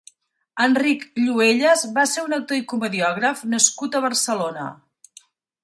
Enric Lluelles va ser un actor i comediògraf nascut a Barcelona.